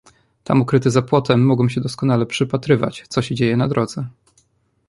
"Tam ukryty za płotem mogłem się doskonale przypatrywać, co się dzieje na drodze."